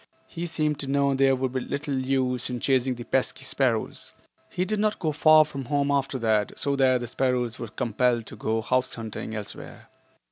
He seemed to know there would be little use in chasing the pesky sparrows. He did not go far from home after that, so that the sparrows were compelled to go house hunting elsewhere.